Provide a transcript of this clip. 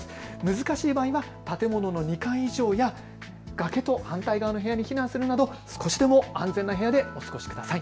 難しい場合は建物の２階以上や崖と反対側の部屋に避難するなど少しでも安全な部屋でお過ごしください。